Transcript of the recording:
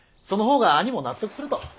その方が兄も納得すると。